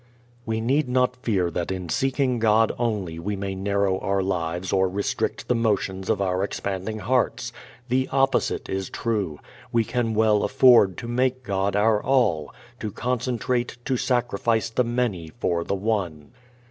We need not fear that in seeking God only we may narrow our lives or restrict the motions of our expanding hearts. The opposite is true. We can well afford to make God our All, to concentrate, to sacrifice the many for the One.